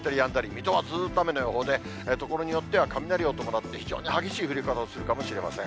水戸はずっと雨の予報で、ところによっては雷を伴って非常に激しい降り方をするかもしれません。